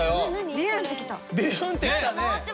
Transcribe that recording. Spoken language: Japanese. ビュンって来たね。